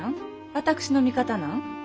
私の味方なん？